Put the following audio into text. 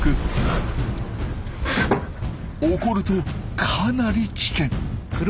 怒るとかなり危険。